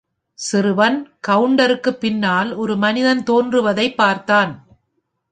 சிறுவன் கவுண்டருக்குப் பின்னால் ஒரு மனிதன் தோன்றுவதைப் பார்த்தான்.